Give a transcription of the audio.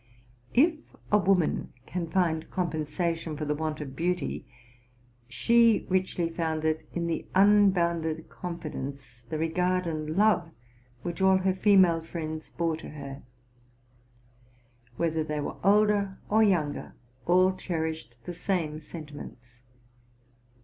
If a woman can find compensation for the want of beauty, she richly found it in the unbounded confidence, the regard and love, which all her female friends bore to her; whether they were older or younger, all cherished the same senti ments.